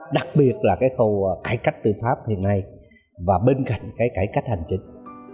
đặc biệt là khâu cải cách tư pháp hiện nay và bên cạnh cải cách hành chính